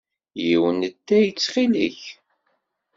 Yiwen n ttay ttxil-k!